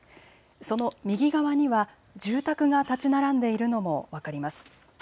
その右側には住宅が建ち並んでいるのも分かります。